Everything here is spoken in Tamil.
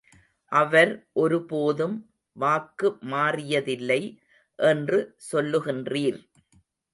அவர் ஒருபோதும் வாக்கு மாறியதில்லை என்று சொல்லுகின்றீர்.